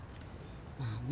まあね